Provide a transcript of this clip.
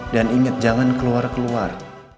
dan ingat jangan keluar keluar